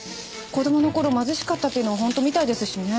子供の頃貧しかったというのは本当みたいですしね。